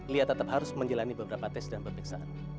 lia tetap harus menjalani beberapa tes dan pemeriksaan